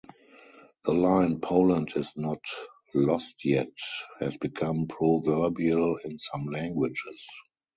The line "Poland is not lost yet" has become proverbial in some languages.